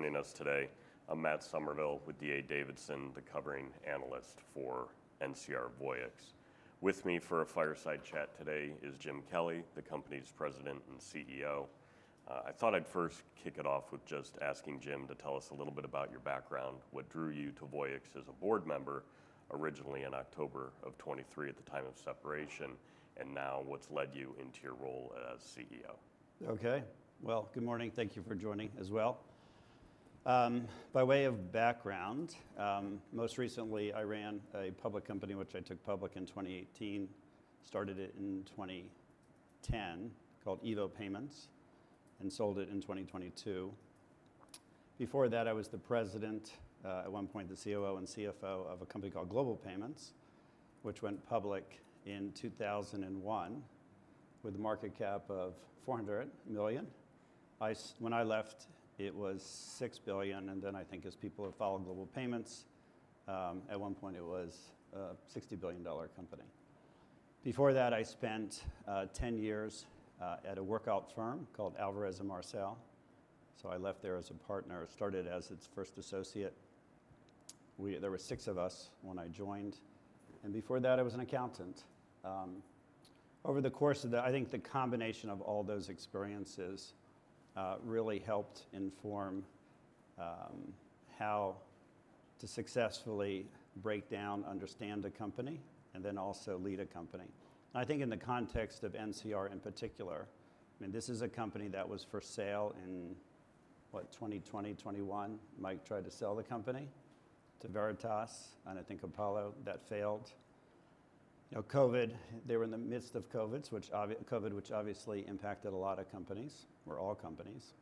Joining us today, I'm Matt Summerville with D.A. Davidson, the Covering Analyst for NCR Voyix. With me for a fireside chat today is Jim Kelly, the company's President and CEO. I thought I'd first kick it off with just asking Jim to tell us a little bit about your background. What drew you to Voyix as a Board member, originally in October of 2023 at the time of separation, and now what's led you into your role as CEO? Okay. Good morning. Thank you for joining as well. By way of background, most recently I ran a public company, which I took public in 2018, started it in 2010 called EVO Payments, and sold it in 2022. Before that, I was the President, at one point the COO and CFO of a company called Global Payments, which went public in 2001 with a market cap of $400 million. When I left, it was $6 billion, and then I think as people have followed Global Payments, at one point it was a $60 billion company. Before that, I spent 10 years at a workout firm called Alvarez & Marsal, so I left there as a partner, started as its first associate. There were six of us when I joined, and before that I was an accountant. Over the course of that, I think the combination of all those experiences really helped inform how to successfully break down, understand a company, and then also lead a company. I think in the context of NCR in particular, I mean, this is a company that was for sale in, what, 2020, 2021? Mike tried to sell the company to Veritas, and I think Apollo that failed. You know, COVID, they were in the midst of COVID, which obviously impacted a lot of companies, or all companies.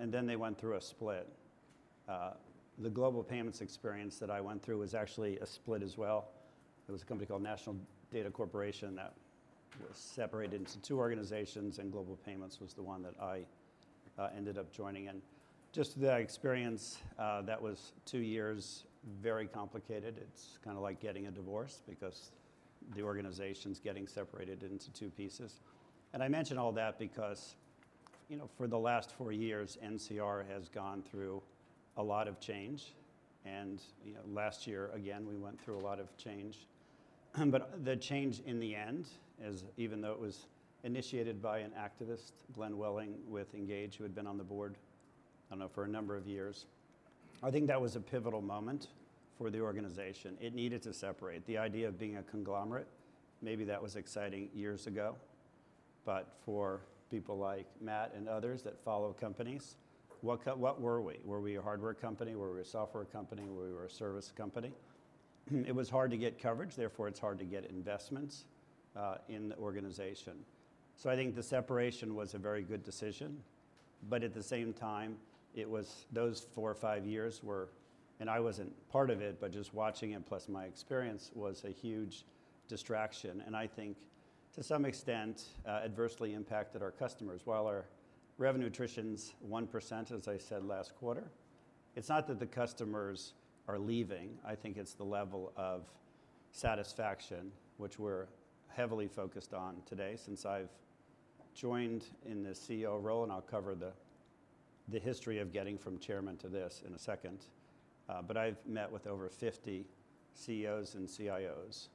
They went through a split. The Global Payments experience that I went through was actually a split as well. There was a company called National Data Corporation that was separated into two organizations, and Global Payments was the one that I ended up joining. Just the experience, that was two years, very complicated. It's kind of like getting a divorce because the organization's getting separated into two pieces. I mention all that because, you know, for the last four years, NCR has gone through a lot of change, and, you know, last year again we went through a lot of change. The change in the end, even though it was initiated by an activist, Glenn Welling, with Engaged, who had been on the board, I don't know, for a number of years, I think that was a pivotal moment for the organization. It needed to separate. The idea of being a conglomerate, maybe that was exciting years ago, but for people like Matt and others that follow companies, what were we? Were we a hardware company? Were we a software company? Were we a service company? It was hard to get coverage, therefore it's hard to get investments in the organization. I think the separation was a very good decision, but at the same time, those four or five years were, and I wasn't part of it, but just watching it plus my experience was a huge distraction, and I think to some extent adversely impacted our customers. While our revenue attrition's 1%, as I said last quarter, it's not that the customers are leaving. I think it's the level of satisfaction, which we're heavily focused on today since I've joined in the CEO role, and I'll cover the history of getting from chairman to this in a second. I've met with over 50 CEOs and CIOs,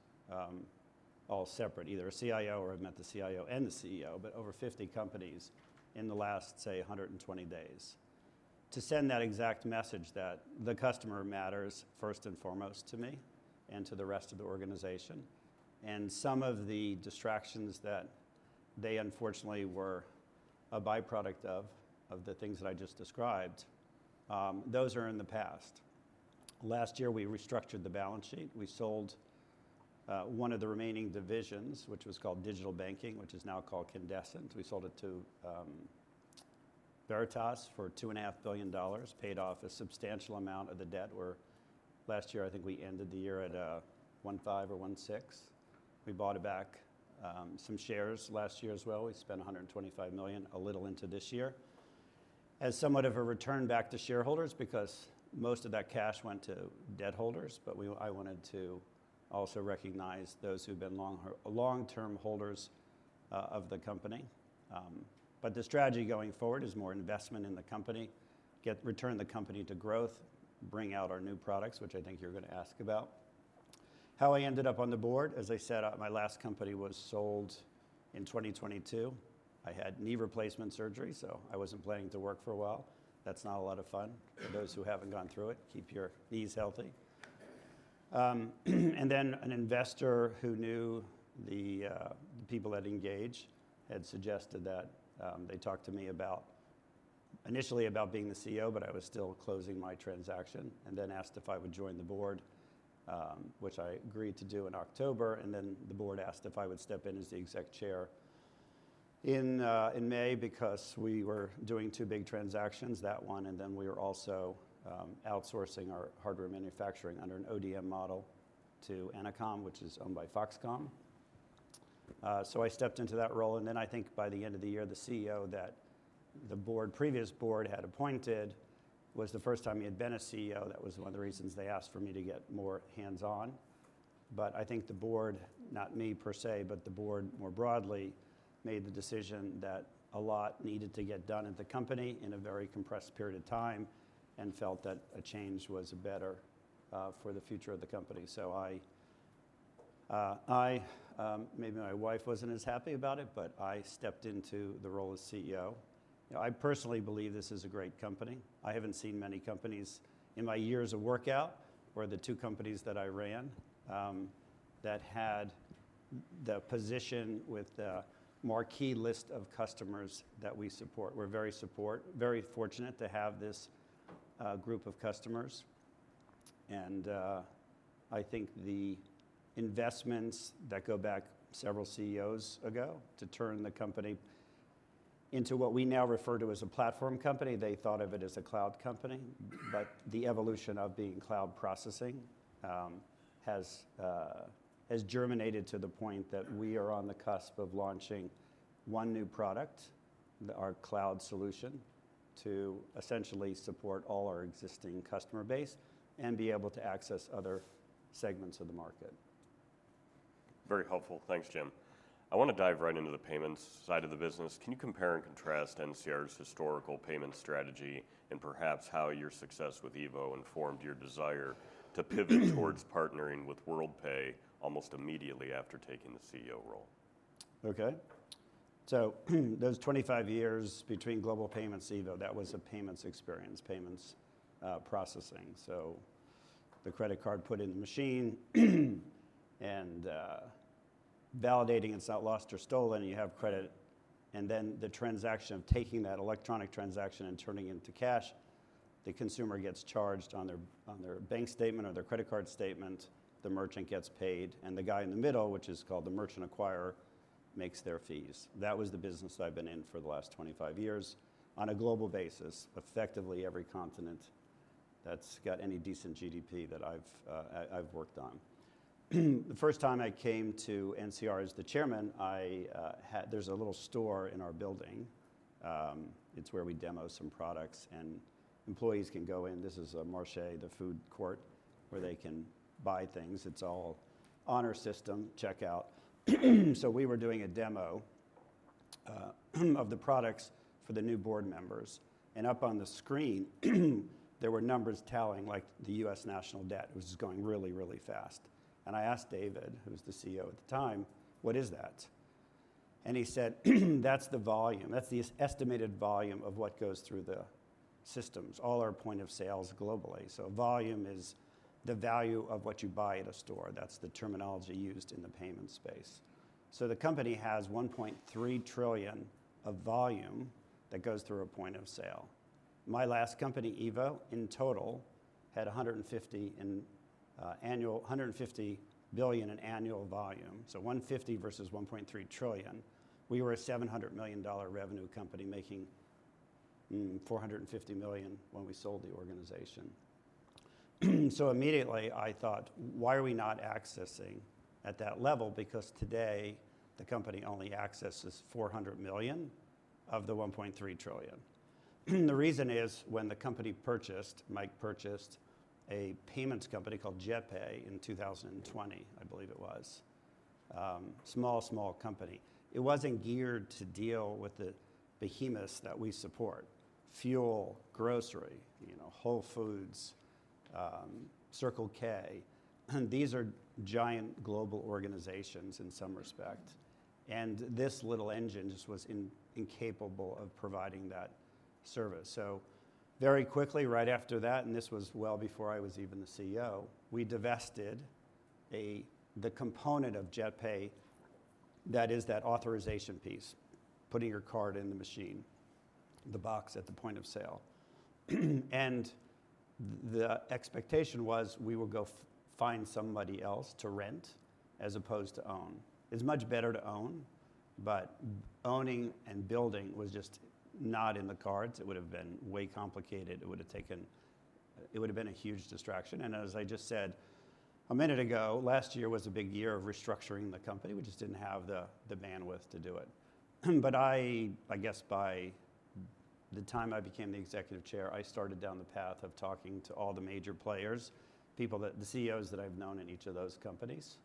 all separate, either a CIO or I've met the CIO and the CEO, but over 50 companies in the last, say, 120 days to send that exact message that the customer matters first and foremost to me and to the rest of the organization. Some of the distractions that they unfortunately were a byproduct of, of the things that I just described, those are in the past. Last year we restructured the balance sheet. We sold one of the remaining divisions, which was called Digital Banking, which is now called Candescent. We sold it to Veritas for $2.5 billion, paid off a substantial amount of the debt. Last year, I think we ended the year at a $1.5 billion or $1.6 billion. We bought back some shares last year as well. We spent $125 million, a little into this year, as somewhat of a return back to shareholders because most of that cash went to debt holders, but I wanted to also recognize those who've been long-term holders of the company. The strategy going forward is more investment in the company, return the company to growth, bring out our new products, which I think you're going to ask about. How I ended up on the board, as I said, my last company was sold in 2022. I had knee replacement surgery, so I wasn't planning to work for a while. That's not a lot of fun for those who haven't gone through it. Keep your knees healthy. An investor who knew the people at Engaged had suggested that they talk to me initially about being the CEO, but I was still closing my transaction, and then asked if I would join the Board, which I agreed to do in October. The Board asked if I would step in as the Executive Chair in May because we were doing two big transactions, that one and we were also outsourcing our hardware manufacturing under an ODM model to Ennoconn, which is owned by Foxconn. I stepped into that role, and then I think by the end of the year, the CEO that the previous Board had appointed, it was the first time he had been a CEO. That was one of the reasons they asked for me to get more hands-on. I think the Board, not me per se, but the Board more broadly made the decision that a lot needed to get done at the company in a very compressed period of time and felt that a change was better for the future of the company. I, maybe my wife wasn't as happy about it, but I stepped into the role as CEO. You know, I personally believe this is a great company. I haven't seen many companies in my years of workout or the two companies that I ran that had the position with the marquee list of customers that we support. We're very fortunate to have this group of customers, and I think the investments that go back several CEOs ago to turn the company into what we now refer to as a platform company, they thought of it as a cloud company. The evolution of being cloud processing has germinated to the point that we are on the cusp of launching one new product, our Cloud Solution to essentially support all our existing customer base and be able to access other segments of the market. Very helpful. Thanks, Jim. I want to dive right into the payments side of the business. Can you compare and contrast NCR's historical payment strategy and perhaps how your success with EVO informed your desire to pivot towards partnering with Worldpay almost immediately after taking the CEO role? Okay. Those 25 years between Global Payments and EVO, that was a payments experience, payments processing. The credit card put in the machine and validating it's not lost or stolen, you have credit, and then the transaction of taking that electronic transaction and turning it into cash, the consumer gets charged on their bank statement or their credit card statement, the merchant gets paid, and the guy in the middle, which is called the merchant acquirer, makes their fees. That was the business I've been in for the last 25 years on a global basis, effectively every continent that's got any decent GDP that I've worked on. The first time I came to NCR as the chairman, there's a little store in our building. It's where we demo some products, and employees can go in. This is a marché, the food court, where they can buy things. It's all on our system, checkout. We were doing a demo of the products for the new Board Members, and up on the screen, there were numbers telling like the U.S. national debt. It was going really, really fast. I asked David, who was the CEO at the time, what is that? He said, that's the volume. That's the estimated volume of what goes through the systems, all our point of sales globally. Volume is the value of what you buy at a store. That's the terminology used in the payments space. The company has $1.3 trillion of volume that goes through a point of sale. My last company, EVO, in total had $150 billion in annual volume. $150 billion versus $1.3 trillion. We were a $700 million revenue company making $450 million when we sold the organization. Immediately I thought, why are we not accessing at that level? Because today the company only accesses $400 million of the $1.3 trillion. The reason is when the company purchased, Mike purchased a payments company called Jetpay in 2020, I believe it was, small, small company. It was not geared to deal with the behemoths that we support, Fuel, Grocery, you know, Whole Foods, Circle K. These are giant global organizations in some respect, and this little engine just was incapable of providing that service. Very quickly, right after that, and this was well before I was even the CEO, we divested the component of Jetpay that is that authorization piece, putting your card in the machine, the box at the point of sale. The expectation was we will go find somebody else to rent as opposed to own. It's much better to own, but owning and building was just not in the cards. It would have been way complicated. It would have taken, it would have been a huge distraction. As I just said a minute ago, last year was a big year of restructuring the company. We just didn't have the bandwidth to do it. I guess by the time I became the Executive Chair, I started down the path of talking to all the major players, people that, the CEOs that I've known in each of those companies,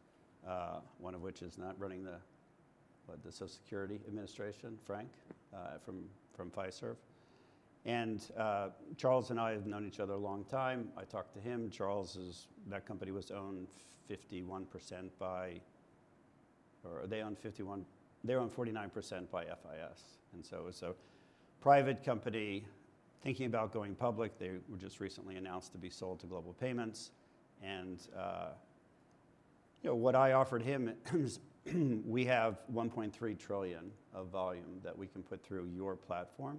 one of which is not running the Social Security Administration, Frank, from Fiserv. Charles and I have known each other a long time. I talked to him. Charles is, that company was owned 51% by, or they owned 51%, they owned 49% by FIS. It was a private company thinking about going public. They were just recently announced to be sold to Global Payments. You know, what I offered him is we have $1.3 trillion of volume that we can put through your platform.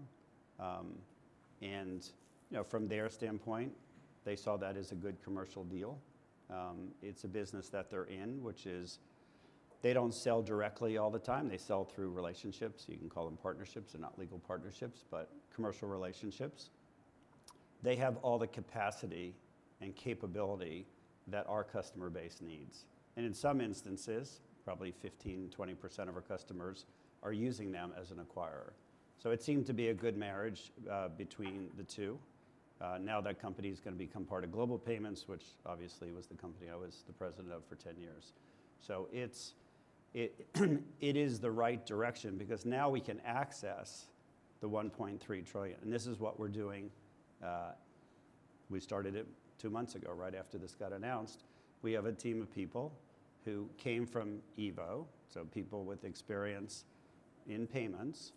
You know, from their standpoint, they saw that as a good commercial deal. It's a business that they're in, which is they don't sell directly all the time. They sell through relationships. You can call them partnerships. They're not legal partnerships, but commercial relationships. They have all the capacity and capability that our customer base needs. In some instances, probably 15%-20% of our customers are using them as an acquirer. It seemed to be a good marriage between the two. Now that company is going to become part of Global Payments, which obviously was the company I was the president of for 10 years. It is the right direction because now we can access the $1.3 trillion. This is what we're doing. We started it two months ago, right after this got announced. We have a team of people who came from EVO, so people with experience in payments,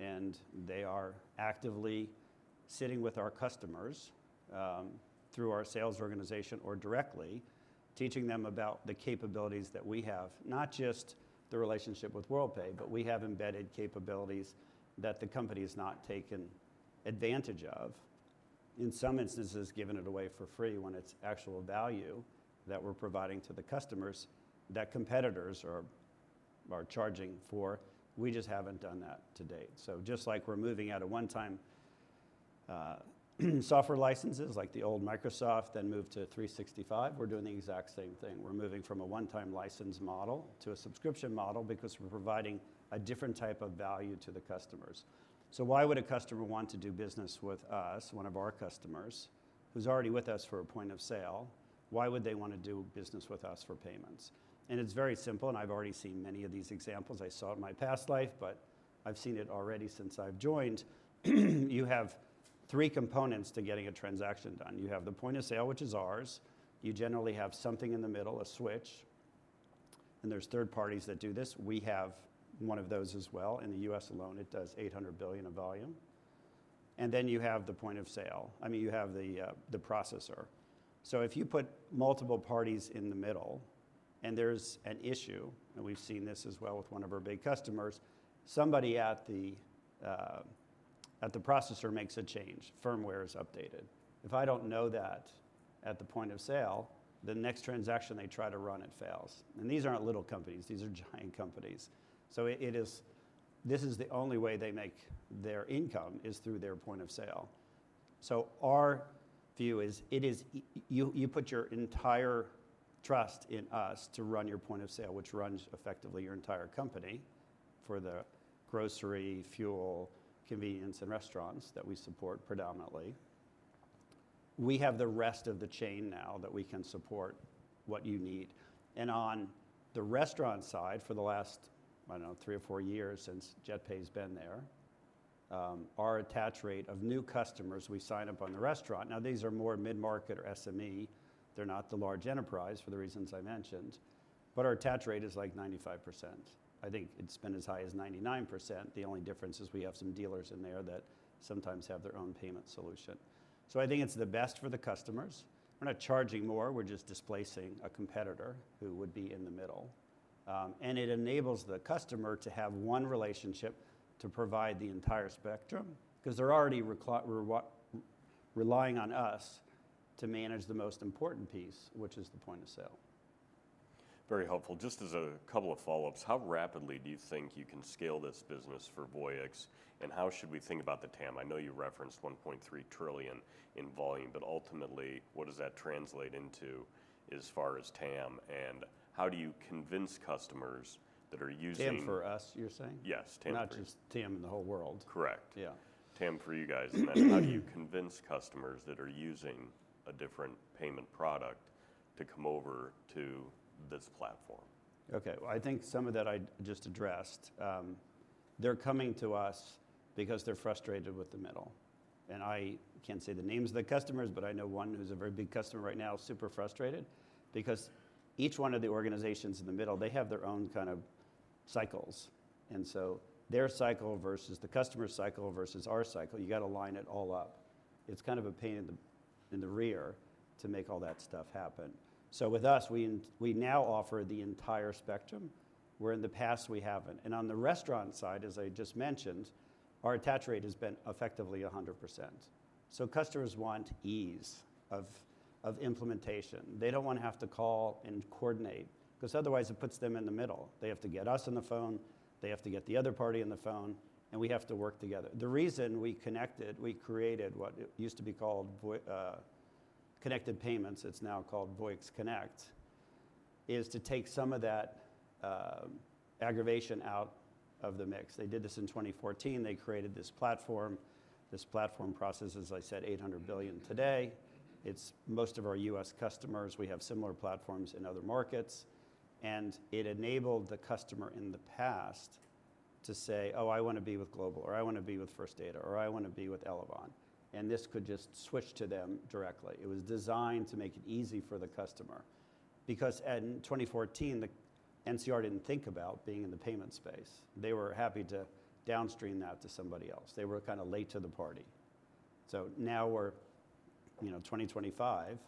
and they are actively sitting with our customers through our sales organization or directly teaching them about the capabilities that we have, not just the relationship with Worldpay, but we have embedded capabilities that the company has not taken advantage of. In some instances, given it away for free when it's actual value that we're providing to the customers that competitors are charging for. We just haven't done that to date. Just like we're moving out of one-time software licenses like the old Microsoft and moved to 365, we're doing the exact same thing. We're moving from a one-time license model to a subscription model because we're providing a different type of value to the customers. Why would a customer want to do business with us, one of our customers who's already with us for a point of sale? Why would they want to do business with us for payments? It's very simple, and I've already seen many of these examples. I saw it in my past life, but I've seen it already since I've joined. You have three components to getting a transaction done. You have the point of sale, which is ours. You generally have something in the middle, a switch, and there's third parties that do this. We have one of those as well. In the U.S. alone, it does $800 billion of volume. You have the point of sale. I mean, you have the processor. If you put multiple parties in the middle and there is an issue, and we have seen this as well with one of our big customers, somebody at the processor makes a change, firmware is updated. If I do not know that at the point of sale, the next transaction they try to run, it fails. These are not little companies. These are giant companies. This is the only way they make their income, through their point of sale. Our view is you put your entire trust in us to run your point of sale, which runs effectively your entire company for the grocery, fuel, convenience, and restaurants that we support predominantly. We have the rest of the chain now that we can support what you need. On the restaurant side, for the last, I don't know, three or four years since Jetpay has been there, our attach rate of new customers we sign up on the restaurant, now these are more mid-market or SME. They're not the large enterprise for the reasons I mentioned, but our attach rate is like 95%. I think it's been as high as 99%. The only difference is we have some dealers in there that sometimes have their own payment solution. I think it's the best for the customers. We're not charging more. We're just displacing a competitor who would be in the middle. It enables the customer to have one relationship to provide the entire spectrum because they're already relying on us to manage the most important piece, which is the point of sale. Very helpful. Just as a couple of follow-ups, how rapidly do you think you can scale this business for Voyix? How should we think about the TAM? I know you referenced $1.3 trillion in volume, but ultimately what does that translate into as far as TAM? How do you convince customers that are using? TAM for us, you're saying? Yes, TAM for us. Not just TAM in the whole world. Correct. Yeah. TAM for you guys. How do you convince customers that are using a different payment product to come over to this platform? Okay. I think some of that I just addressed. They're coming to us because they're frustrated with the middle. I can't say the names of the customers, but I know one who's a very big customer right now, super frustrated because each one of the organizations in the middle, they have their own kind of cycles. Their cycle versus the customer's cycle versus our cycle, you got to line it all up. It's kind of a pain in the rear to make all that stuff happen. With us, we now offer the entire spectrum. Where in the past we haven't. On the restaurant side, as I just mentioned, our attach rate has been effectively 100%. Customers want ease of implementation. They don't want to have to call and coordinate because otherwise it puts them in the middle. They have to get us on the phone. They have to get the other party on the phone, and we have to work together. The reason we connected, we created what used to be called Connected Payments. It is now called Voyix Connect to take some of that aggravation out of the mix. They did this in 2014. They created this platform. This platform processes, as I said, $800 billion today. It is most of our U.S. customers. We have similar platforms in other markets. It enabled the customer in the past to say, "Oh, I want to be with Global," or, "I want to be with First Data," or, "I want to be with Elavon." This could just switch to them directly. It was designed to make it easy for the customer because in 2014, NCR did not think about being in the payment space. They were happy to downstream that to somebody else. They were kind of late to the party. Now we're, you know, 2025,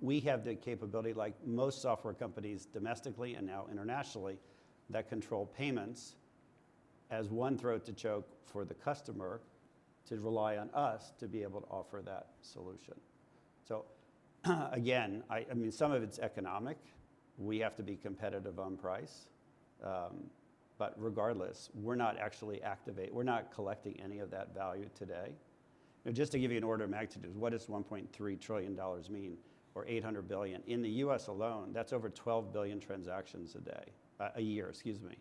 we have the capability like most software companies domestically and now internationally that control payments as one throat to choke for the customer to rely on us to be able to offer that solution. Again, I mean, some of it's economic. We have to be competitive on price. Regardless, we're not actually activating, we're not collecting any of that value today. Just to give you an order of magnitude, what does $1.3 trillion mean or $800 billion? In the U.S. alone, that's over 12 billion transactions a year, excuse me.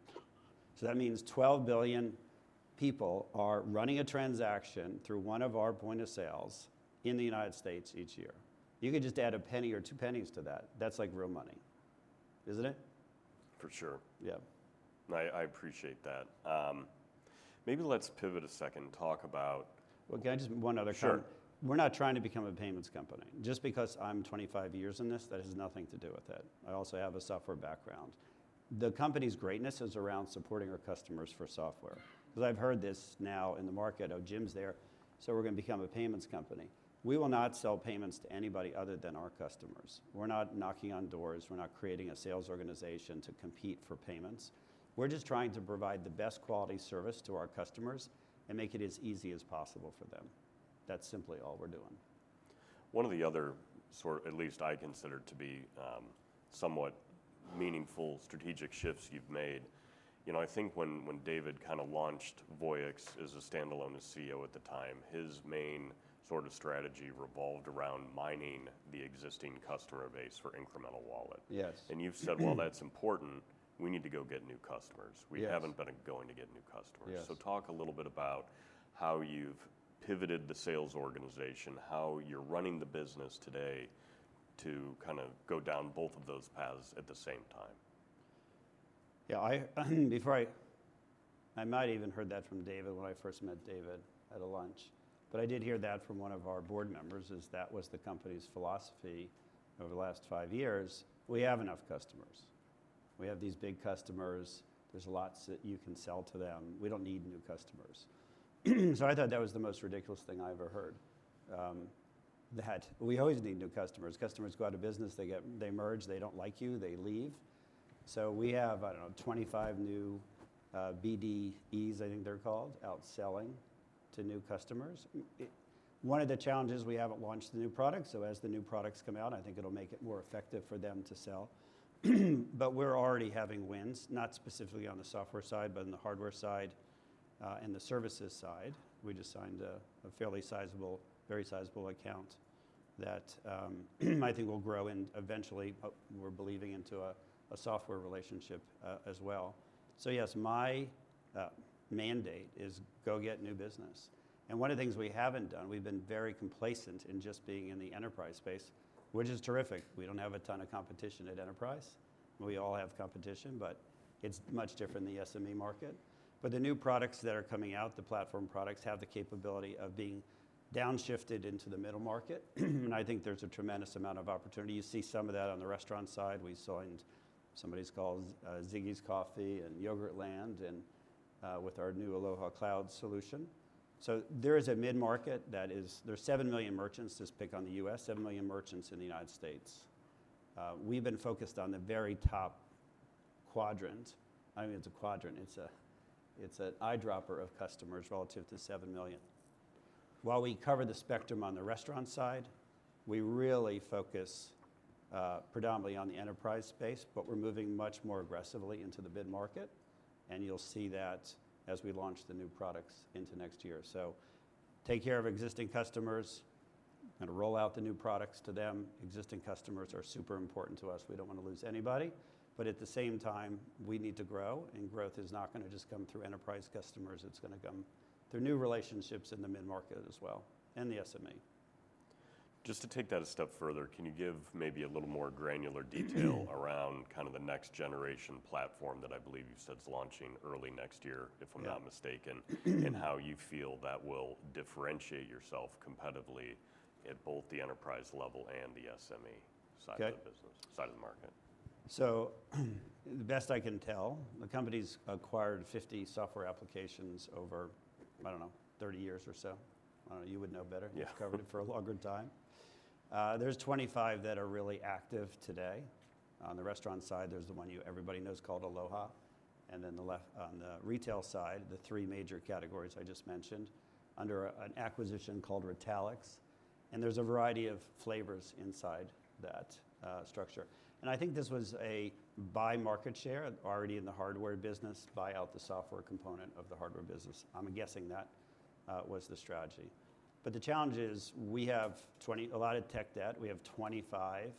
That means 12 billion people are running a transaction through one of our point of sales in the United States each year. You could just add a penny or two pennies to that. That's like real money, isn't it? For sure. Yeah. I appreciate that. Maybe let's pivot a second and talk about. Can I just one other thing? Sure. We're not trying to become a payments company. Just because I'm 25 years in this, that has nothing to do with it. I also have a software background. The company's greatness is around supporting our customers for software. Because I've heard this now in the market, "Oh, Jim's there. So we're going to become a payments company." We will not sell payments to anybody other than our customers. We're not knocking on doors. We're not creating a sales organization to compete for payments. We're just trying to provide the best quality service to our customers and make it as easy as possible for them. That's simply all we're doing. One of the other sort of, at least I considered to be somewhat meaningful strategic shifts you've made. You know, I think when David kind of launched Voyix as a standalone CEO at the time, his main sort of strategy rlved around mining the existing customer base for incremental wallet. Yes. You have said, "That's important. We need to go get new customers. We haven't been going to get new customers." Talk a little bit about how you have pivoted the sales organization, how you are running the business today to kind of go down both of those paths at the same time. Yeah. Before I, I might have even heard that from David when I first met David at a lunch, but I did hear that from one of our Board Members as that was the company's philosophy over the last five years. We have enough customers. We have these big customers. There is lots that you can sell to them. We do not need new customers. I thought that was the most ridiculous thing I ever heard. We always need new customers. Customers go out of business. They get, they merge. They do not like you. They leave. We have, I do not know, 25 new BDEs, I think they are called, outselling to new customers. One of the challenges we have is to launch the new product. As the new products come out, I think it will make it more effective for them to sell. We're already having wins, not specifically on the software side, but on the hardware side and the services side. We just signed a fairly sizable, very sizable account that I think will grow and eventually we're believing into a software relationship as well. Yes, my mandate is go get new business. One of the things we haven't done, we've been very complacent in just being in the enterprise space, which is terrific. We don't have a ton of competition at enterprise. We all have competition, but it's much different than the SME market. The new products that are coming out, the platform products have the capability of being downshifted into the middle market. I think there's a tremendous amount of opportunity. You see some of that on the restaurant side. We signed Ziggi's Coffee and Yogurtland with our new Aloha Cloud solution. There is a mid-market that is, there's 7 million merchants to pick on in the U.S., 7 million merchants in the United States. We've been focused on the very top quadrant. I mean, it's a quadrant. It's an eyedropper of customers relative to 7 million. While we cover the spectrum on the restaurant side, we really focus predominantly on the enterprise space, but we're moving much more aggressively into the mid-market. You'll see that as we launch the new products into next year. Take care of existing customers. Going to roll out the new products to them. Existing customers are super important to us. We don't want to lose anybody. At the same time, we need to grow. Growth is not going to just come through enterprise customers. It's going to come through new relationships in the mid-market as well and the SME. Just to take that a step further, can you give maybe a little more granular detail around kind of the next generation platform that I believe you said is launching early next year, if I'm not mistaken, and how you feel that will differentiate yourself competitively at both the enterprise level and the SME side of the business, side of the market? The best I can tell, the company's acquired 50 software applications over, I don't know, 30 years or so. I don't know. You would know better. You've covered it for a longer time. There's 25 that are really active today. On the restaurant side, there's the one you everybody knows called Aloha. And then on the retail side, the three major categories I just mentioned under an acquisition called Retalix. And there's a variety of flavors inside that structure. I think this was a buy market share already in the hardware business, buy out the software component of the hardware business. I'm guessing that was the strategy. The challenge is we have a lot of tech debt. We have 25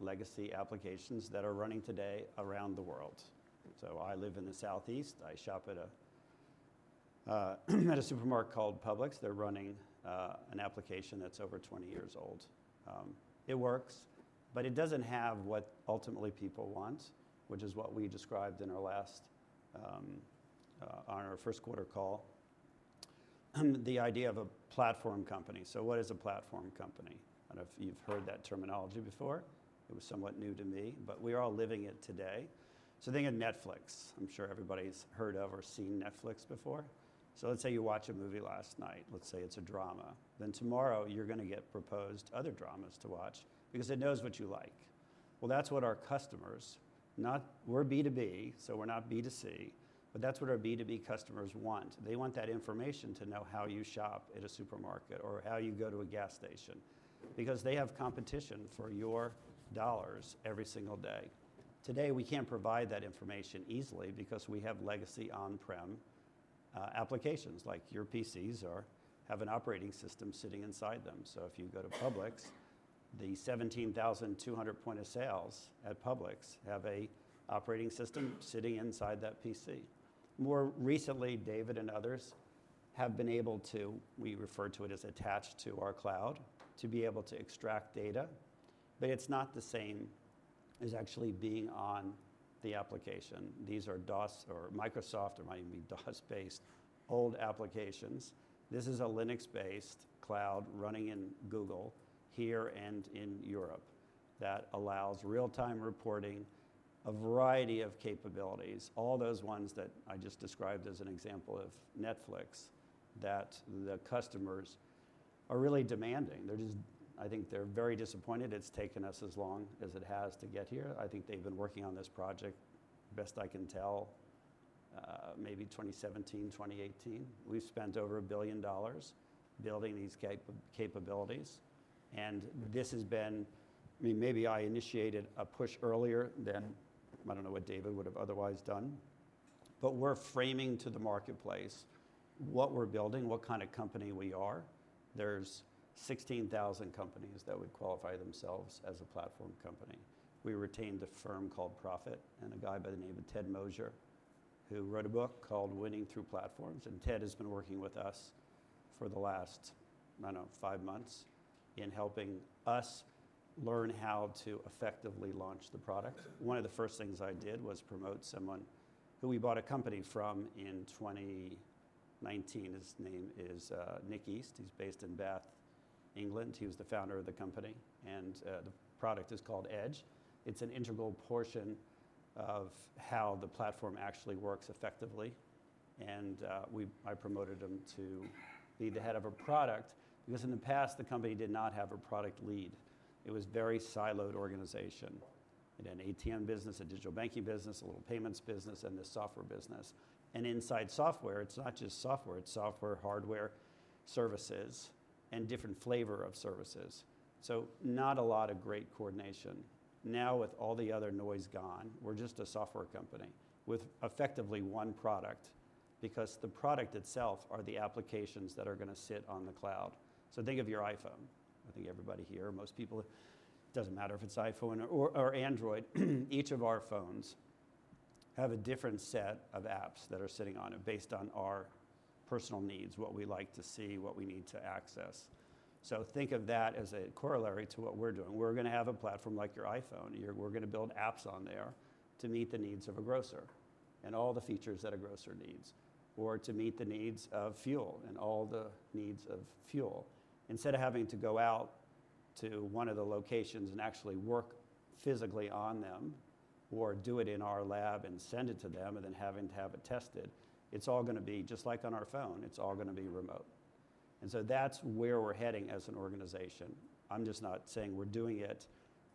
legacy applications that are running today around the world. I live in the Southeast. I shop at a supermarket called Publix. They're running an application that's over 20 years old. It works, but it doesn't have what ultimately people want, which is what we described in our last, on our first quarter call, the idea of a platform company. What is a platform company? I don't know if you've heard that terminology before. It was somewhat new to me, but we are all living it today. Think of Netflix. I'm sure everybody's heard of or seen Netflix before. Let's say you watch a movie last night. Let's say it's a drama. Tomorrow you're going to get proposed other dramas to watch because it knows what you like. That's what our customers, not we're B2B, so we're not B2C, but that's what our B2B customers want. They want that information to know how you shop at a supermarket or how you go to a gas station because they have competition for your dollars every single day. Today, we can't provide that information easily because we have legacy on-prem applications like your PCs or have an operating system sitting inside them. If you go to Publix, the 17,200 point of sales at Publix have an operating system sitting inside that PC. More recently, David and others have been able to, we refer to it as attached to our Cloud, to be able to extract data. It is not the same as actually being on the application. These are DOS or Microsoft or might even be DOS-based old applications. This is a Linux-based cloud running in Google here and in Europe that allows real-time reporting, a variety of capabilities, all those ones that I just described as an example of Netflix that the customers are really demanding. They're just, I think they're very disappointed. It's taken us as long as it has to get here. I think they've been working on this project, best I can tell, maybe 2017, 2018. We've spent over $1 billion building these capabilities. And this has been, I mean, maybe I initiated a push earlier than I don't know what David would have otherwise done. But we're framing to the marketplace what we're building, what kind of company we are. There's 16,000 companies that would qualify themselves as a platform company. We retained a firm called Prophet and a guy by the name of Ted Moser who wrote a book called Winning Through Platforms. Ted has been working with us for the last, I don't know, five months in helping us learn how to effectively launch the product. One of the first things I did was promote someone who we bought a company from in 2019. His name is Nick East. He's based in Bath, England. He was the founder of the company. The product is called Edge. It's an integral portion of how the platform actually works effectively. I promoted him to be the Head of Product because in the past, the company did not have a product lead. It was a very siloed organization. It had an ATM business, a Digital Banking business, a Little Payments business, and this Software business. Inside Software, it's not just software. It's software, hardware, services, and different flavors of services. Not a lot of great coordination. Now, with all the other noise gone, we're just a software company with effectively one product because the product itself are the applications that are going to sit on the cloud. Think of your iPhone. I think everybody here, most people, it doesn't matter if it's iPhone or Android. Each of our phones have a different set of apps that are sitting on it based on our personal needs, what we like to see, what we need to access. Think of that as a corollary to what we're doing. We're going to have a platform like your iPhone. We're going to build apps on there to meet the needs of a grocer and all the features that a grocer needs or to meet the needs of fuel and all the needs of fuel. Instead of having to go out to one of the locations and actually work physically on them or do it in our lab and send it to them and then having to have it tested, it's all going to be just like on our phone. It's all going to be remote. That is where we're heading as an organization. I'm just not saying we're doing it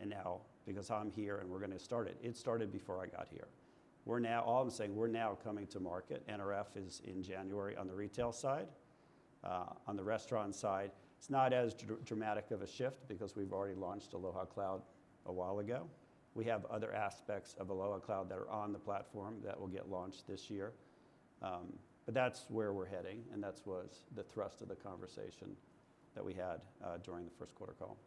now because I'm here and we're going to start it. It started before I got here. All I'm saying is we're now coming to market. NRF is in January on the retail side. On the restaurant side, it's not as dramatic of a shift because we've already launched Aloha Cloud a while ago. We have other aspects of Aloha Cloud that are on the platform that will get launched this year. That is where we're heading. That was the thrust of the conversation that we had during the first quarter call.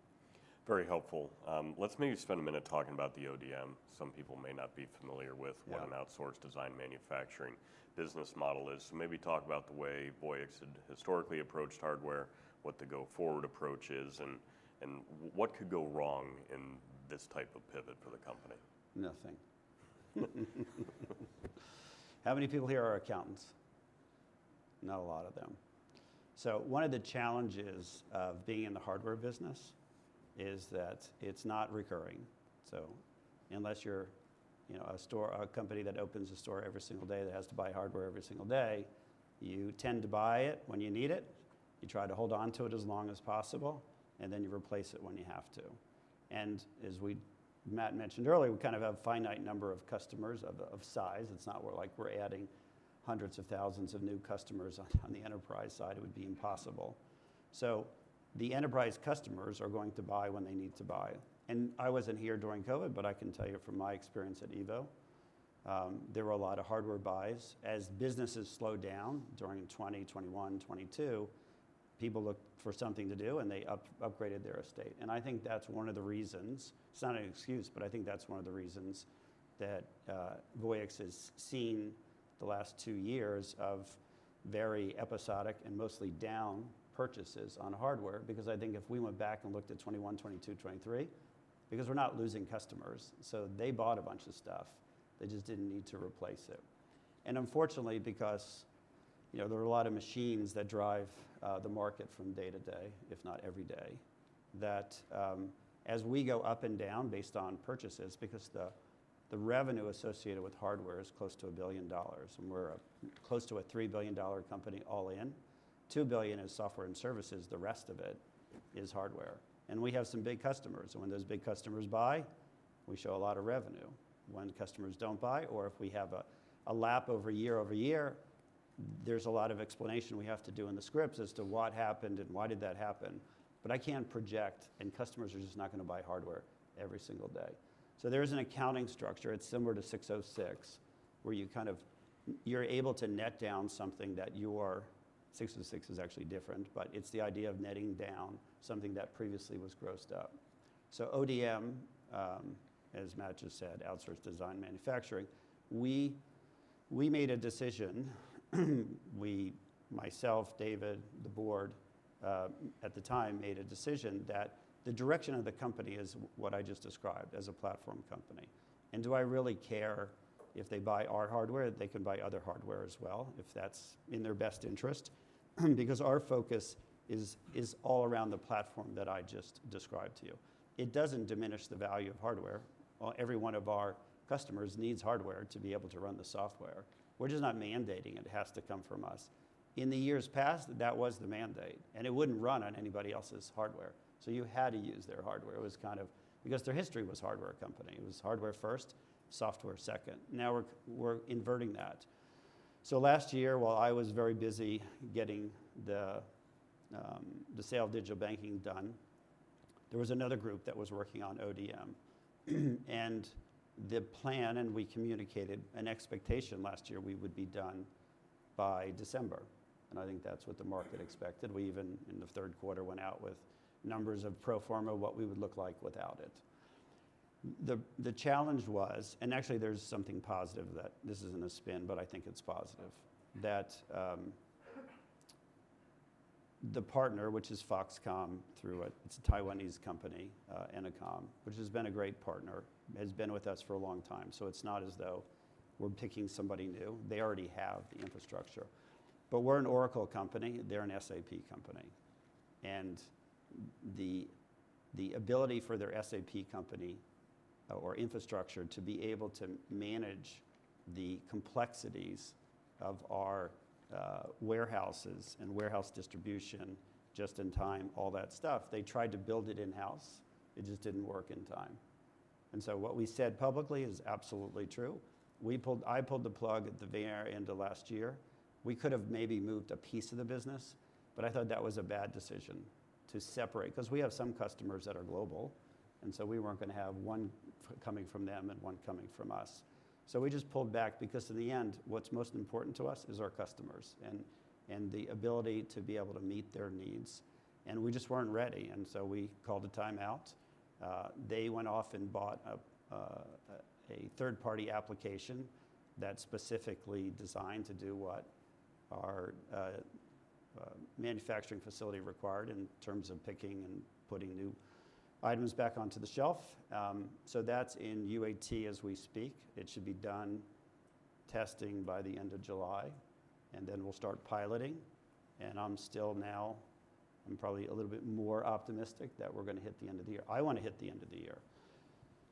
Very helpful. Let's maybe spend a minute talking about the ODM. Some people may not be familiar with what an outsourced design manufacturing business model is. So maybe talk about the way Voyix had historically approached hardware, what the go-forward approach is, and what could go wrong in this type of pivot for the company. Nothing. How many people here are accountants? Not a lot of them. One of the challenges of being in the Hardware business is that it's not recurring. Unless you're a store company that opens a store every single day that has to buy hardware every single day, you tend to buy it when you need it. You try to hold on to it as long as possible, and then you replace it when you have to. As Matt mentioned earlier, we kind of have a finite number of customers of size. It's not like we're adding hundreds of thousands of new customers on the enterprise side. It would be impossible. The enterprise customers are going to buy when they need to buy. I wasn't here during COVID, but I can tell you from my experience at EVO, there were a lot of hardware buys. As businesses slowed down during 2021, 2022, people looked for something to do, and they upgraded their estate. I think that's one of the reasons. It's not an excuse, but I think that's one of the reasons that Voyix has seen the last two years of very episodic and mostly down purchases on hardware because I think if we went back and looked at 2021, 2022, 2023, because we're not losing customers. They bought a bunch of stuff. They just didn't need to replace it. Unfortunately, because there are a lot of machines that drive the market from day-to-day, if not every day, as we go up and down based on purchases, the revenue associated with hardware is close to $1 billion and we're close to a $3 billion company all in, $2 billion is Software and services. The rest of it is Hardware. We have some big customers. When those big customers buy, we show a lot of revenue. When customers do not buy or if we have a lap over year-over-year, there is a lot of explanation we have to do in the scripts as to what happened and why did that happen. I cannot project, and customers are just not going to buy hardware every single day. There is an accounting structure. It is similar to 606, where you kind of, you are able to net down something that your 606 is actually different, but it is the idea of netting down something that previously was grossed up. ODM, as Matt just said, outsourced design manufacturing. We made a decision. We, myself, David, the Board at the time made a decision that the direction of the company is what I just described as a platform company. Do I really care if they buy our hardware? They can buy other hardware as well if that's in their best interest because our focus is all around the platform that I just described to you. It doesn't diminish the value of hardware. Every one of our customers needs hardware to be able to run the software. We're just not mandating it has to come from us. In the years past, that was the mandate, and it wouldn't run on anybody else's hardware. You had to use their hardware. It was kind of because their history was hardware company. It was hardware first, software second. Now we're inverting that. Last year, while I was very busy getting the sale of Digital Banking done, there was another group that was working on ODM. The plan, and we communicated an expectation last year we would be done by December. I think that's what the market expected. We even in the third quarter went out with numbers of pro forma what we would look like without it. The challenge was, and actually there's something positive that this isn't a spin, but I think it's positive, that the partner, which is Foxconn, through its Taiwanese company, Ennoconn, which has been a great partner, has been with us for a long time. It's not as though we're picking somebody new. They already have the infrastructure. We're an Oracle company. They're an SAP company. The ability for their SAP company or infrastructure to be able to manage the complexities of our warehouses and warehouse distribution just in time, all that stuff, they tried to build it in-house. It just did not work in time. What we said publicly is absolutely true. I pulled the plug at the very end of last year. We could have maybe moved a piece of the business, but I thought that was a bad decision to separate because we have some customers that are global. We were not going to have one coming from them and one coming from us. We just pulled back because in the end, what is most important to us is our customers and the ability to be able to meet their needs. We just were not ready. We called a timeout. They went off and bought a third-party application that's specifically designed to do what our manufacturing facility required in terms of picking and putting new items back onto the shelf. That is in UAT as we speak. It should be done testing by the end of July, and then we'll start piloting. I'm still now, I'm probably a little bit more optimistic that we're going to hit the end of the year. I want to hit the end of the year.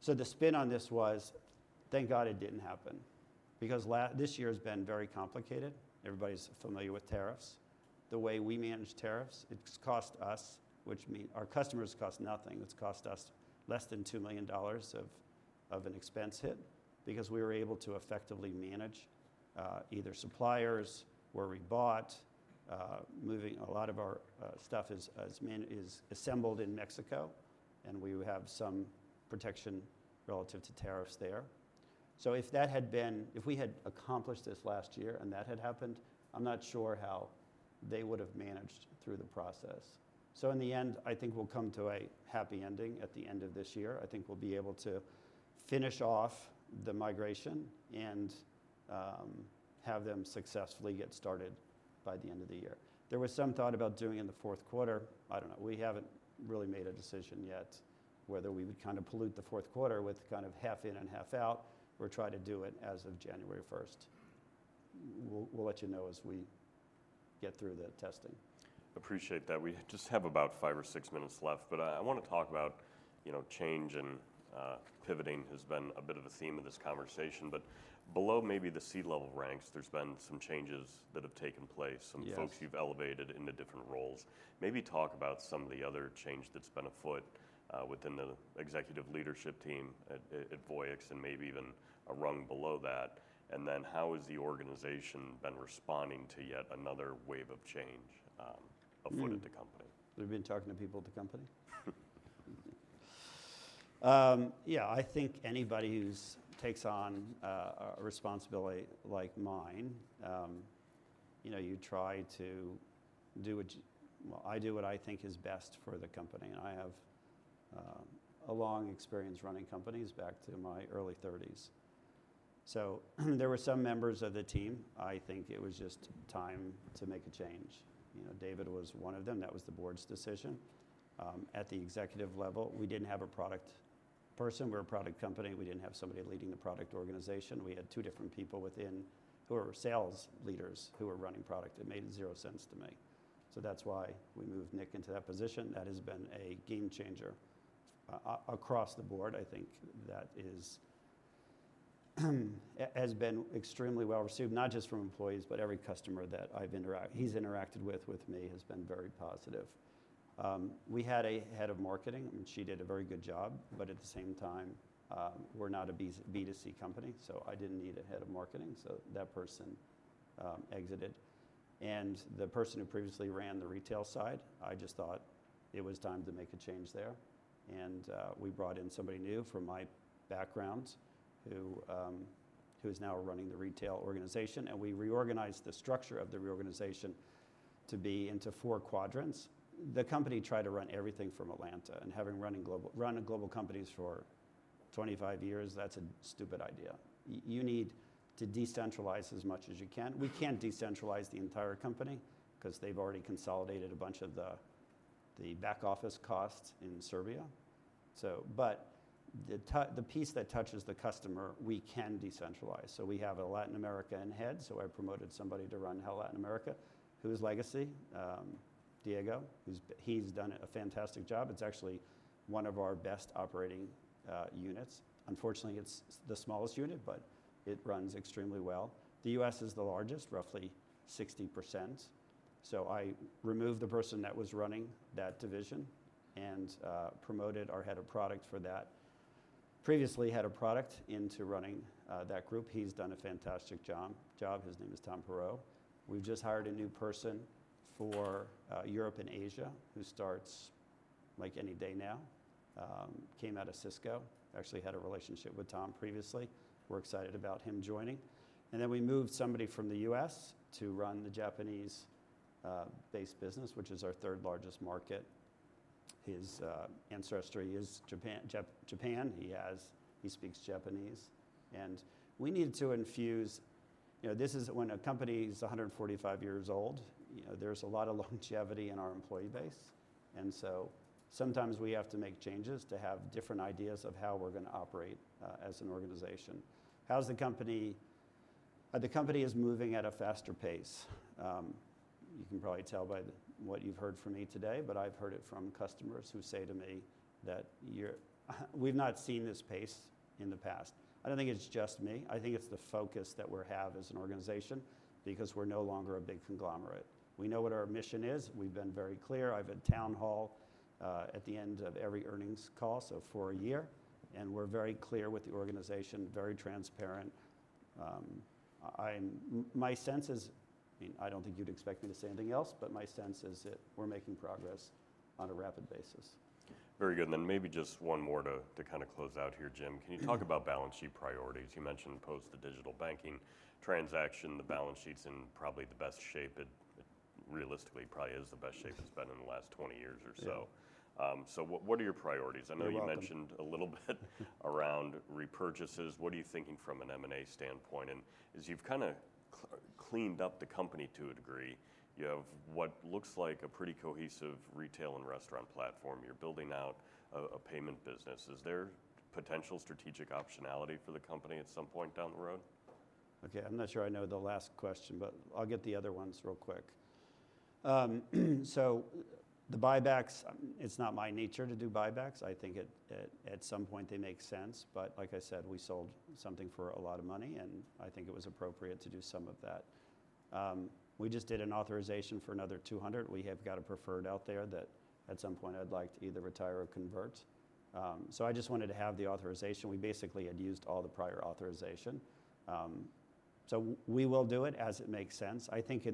The spin on this was, thank God it did not happen because this year has been very complicated. Everybody's familiar with tariffs. The way we manage tariffs, it has cost us, which means our customers cost nothing. It has cost us less than $2 million of an expense hit because we were able to effectively manage either suppliers where we bought. Moving a lot of our stuff is assembled in Mexico, and we have some protection relative to tariffs there. If that had been, if we had accomplished this last year and that had happened, I'm not sure how they would have managed through the process. In the end, I think we'll come to a happy ending at the end of this year. I think we'll be able to finish off the migration and have them successfully get started by the end of the year. There was some thought about doing it in the fourth quarter. I don't know. We haven't really made a decision yet whether we would kind of pollute the fourth quarter with kind of half-in and half-out. We're trying to do it as of January 1st. We'll let you know as we get through the testing. Appreciate that. We just have about five or six minutes left, but I want to talk about change and pivoting has been a bit of a theme of this conversation. Below maybe the C-level ranks, there have been some changes that have taken place, some folks you have elevated into different roles. Maybe talk about some of the other change that has been afoot within the executive leadership team at Voyix and maybe even a rung below that. How has the organization been responding to yet another wave of change afoot at the Company? We've been talking to people at the Company. Yeah, I think anybody who takes on a responsibility like mine, you try to do what I do what I think is best for the company. And I have a long experience running companies back to my early 30s. So there were some members of the team. I think it was just time to make a change. David was one of them. That was the board's decision. At the executive level, we didn't have a product person. We're a product company. We didn't have somebody leading the product organization. We had two different people within who are sales leaders who were running product. It made zero sense to me. That's why we moved Nick into that position. That has been a game changer across the Board. I think that has been extremely well received, not just from employees, but every customer that he's interacted with with me has been very positive. We had a Head of Marketing. I mean, she did a very good job, but at the same time, we're not a B2C company, so I didn't need a Head of Marketing. So that person exited. And the person who previously ran the retail side, I just thought it was time to make a change there. We brought in somebody new from my background who is now running the retail organization. We reorganized the structure of the reorganization to be into four quadrants. The company tried to run everything from Atlanta. Having run global companies for 25 years, that's a stupid idea. You need to decentralize as much as you can. We can't decentralize the entire company because they've already consolidated a bunch of the back office costs in Serbia. The piece that touches the customer, we can decentralize. We have a Latin American Head. I promoted somebody to run Latin America whose legacy, Diego, he's done a fantastic job. It's actually one of our best operating units. Unfortunately, it's the smallest unit, but it runs extremely well. The U.S. is the largest, roughly 60%. I removed the person that was running that division and promoted our Head of Product for that. Previously Head of Product into running that group. He's done a fantastic job. His name is Tom Poirot. We've just hired a new person for Europe and Asia who starts like any day now. Came out of Cisco. Actually had a relationship with Tom previously. We're excited about him joining. We moved somebody from the U.S. to run the Japanese-based business, which is our third largest market. His ancestry is Japan. He speaks Japanese. We need to infuse, this is when a company is 145 years old. There is a lot of longevity in our employee base. Sometimes we have to make changes to have different ideas of how we are going to operate as an organization. The company is moving at a faster pace. You can probably tell by what you have heard from me today, but I have heard it from customers who say to me that they have not seen this pace in the past. I do not think it is just me. I think it is the focus that we have as an organization because we are no longer a big conglomerate. We know what our mission is. We have been very clear. I've had town hall at the end of every earnings call, so for a year. We're very clear with the organization, very transparent. My sense is, I mean, I don't think you'd expect me to say anything else, but my sense is that we're making progress on a rapid basis. Very good. Maybe just one more to kind of close out here, Jim. Can you talk about balance sheet priorities? You mentioned post the Digital Banking transaction, the balance sheet's in probably the best shape. It realistically probably is the best shape it's been in the last 20 years or so. What are your priorities? I know you mentioned a little bit around repurchases. What are you thinking from an M&A standpoint? As you've kind of cleaned up the company to a degree, you have what looks like a pretty cohesive retail and restaurant platform. You're building out a payment business. Is there potential strategic optionality for the company at some point down the road? Okay. I'm not sure I know the last question, but I'll get the other ones real quick. The buybacks, it's not my nature to do buybacks. I think at some point they make sense. Like I said, we sold something for a lot of money, and I think it was appropriate to do some of that. We just did an authorization for another $200 million. We have got a preferred out there that at some point I'd like to either retire or convert. I just wanted to have the authorization. We basically had used all the prior authorization. We will do it as it makes sense. I think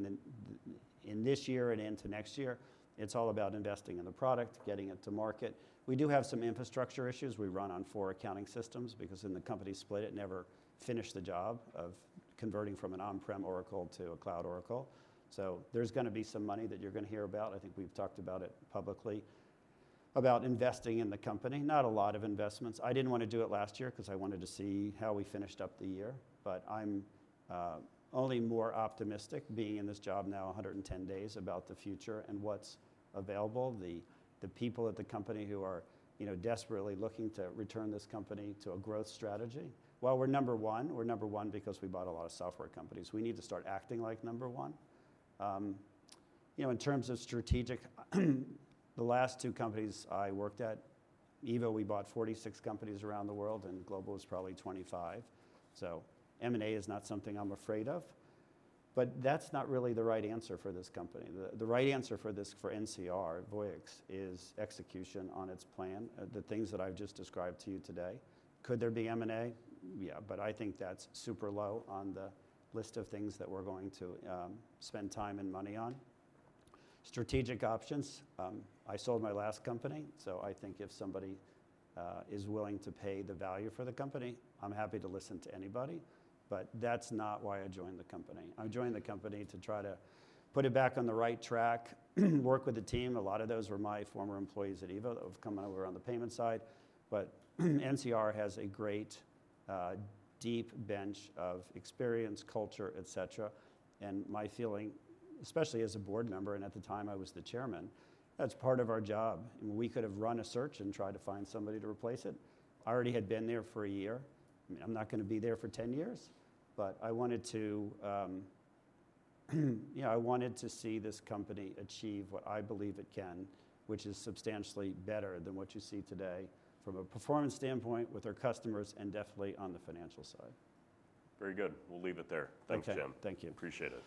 in this year and into next year, it's all about investing in the product, getting it to market. We do have some infrastructure issues. We run on four accounting systems because in the company split, it never finished the job of converting from an on-prem Oracle to a Cloud Oracle. There is going to be some money that you're going to hear about. I think we've talked about it publicly, about investing in the company. Not a lot of investments. I didn't want to do it last year because I wanted to see how we finished up the year. I am only more optimistic being in this job now 110 days about the future and what's available. The people at the company are desperately looking to return this company to a growth strategy. We are number one. We are number one because we bought a lot of software companies. We need to start acting like number one. In terms of strategic, the last two companies I worked at, EVO, we bought 46 companies around the world, and Global is probably 25. M&A is not something I'm afraid of. That is not really the right answer for this company. The right answer for NCR Voyix is execution on its plan, the things that I've just described to you today. Could there be M&A? Yeah, I think that's super low on the list of things that we're going to spend time and money on. Strategic options. I sold my last company. If somebody is willing to pay the value for the company, I'm happy to listen to anybody. That is not why I joined the Company. I joined the Company to try to put it back on the right track, work with the team. A lot of those were my former employees at EVO that have come out around the payment side. NCR has a great deep bench of experience, culture, etc. My feeling, especially as a Board Member, and at the time I was the Chairman, that's part of our job. We could have run a search and tried to find somebody to replace it. I already had been there for a year. I mean, I'm not going to be there for 10 years, but I wanted to see this Company achieve what I believe it can, which is substantially better than what you see today from a performance standpoint with our customers and definitely on the financial side. Very good. We'll leave it there. Thanks, Jim. Okay. Thank you. Appreciate it.